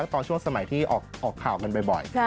ตอนช่วงสมัยที่ออกข่าวกันบ่อย